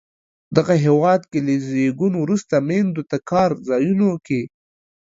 دغه هېواد کې له زیږون وروسته میندو ته کار ځایونو کې